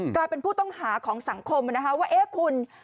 กลายเป็นผู้ต้องหาของสังคมนะคะว่าเอ๊ะคุณ